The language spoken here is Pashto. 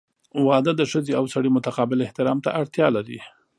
• واده د ښځې او سړي متقابل احترام ته اړتیا لري.